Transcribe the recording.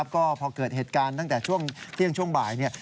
ก็พอเกิดเหตุการณ์ตั้งแต่ช่วงเที่ยงช่วงบ่าย